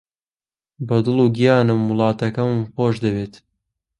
بە دڵ و گیانم وڵاتەکەمم خۆش دەوێت.